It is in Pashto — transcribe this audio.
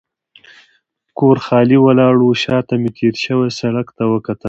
کور خالي ولاړ و، شا ته مې تېر شوي سړک ته وکتل.